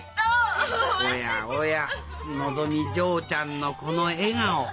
おやおやのぞみ嬢ちゃんのこの笑顔。